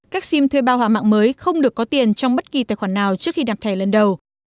các sim thuê bao hỏa mạng mới không được có tiền trong bất kỳ tài khoản nào trước khi đạp thẻ lần đầu